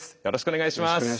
よろしくお願いします。